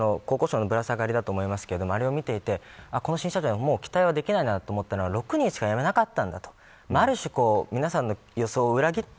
全て新社長にさらにさっきの国交省のぶら下がりだと思いますがあれを見ていて、新社長にはもう期待はできないなと思ったのは、６人しかやめなかった。